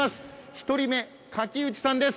１人目、垣内さんです。